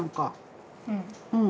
うん。